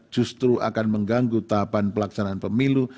justru akan mengganggu tahapan pelaksanaan pemilu